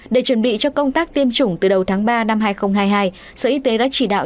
để chuẩn bị cho công tác tiêm chủng từ đầu tháng ba năm hai nghìn hai mươi hai sở y tế đã chỉ đạo